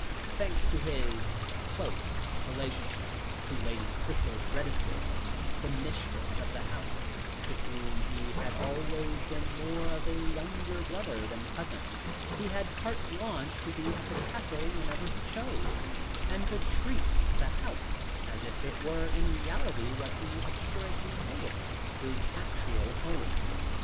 Thanks to his close relationship to Lady Cicely Redesdale, the mistress of the house, to whom he had always been more of younger brother than cousin, he had carte blanche to be at the Castle whenever he chose, and to treat the house as if it were in reality, what he assuredly made of it his actual home.